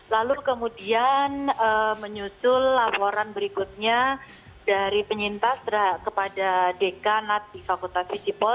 lalu kemudian menyusul laporan berikutnya dari penyintas kepada dekan nati fakultas visipol